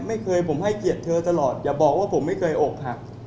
ไม่เคยผมให้เกียรติเธอตลอดอย่าบอกว่าผมไม่เคยอกหัก